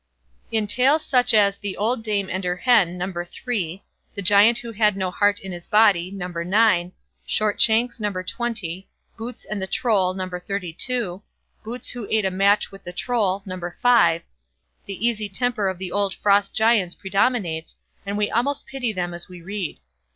In tales such as "The Old Dame and her Hen", No. iii, "The Giant who had no Heart in his Body", No. ix, "Shortshanks", No. xx, "Boots and the Troll", No. xxxii, "Boots who ate a match with the Troll", No. v, the easy temper of the old Frost Giants predominates, and we almost pity them as we read.